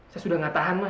saya sudah gak tahan mah